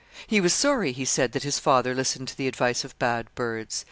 He was sorry, he said, that his father listened to the advice of bad birds.